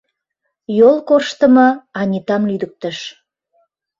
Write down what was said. Йол коржтымо Анитам лӱдыктыш.